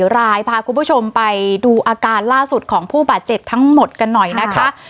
รายพาคุณผู้ชมไปดูอาการล่าสุดของผู้บาดเจ็บทั้งหมดกันหน่อยนะคะ